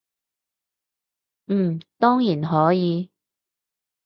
嗯，當然可以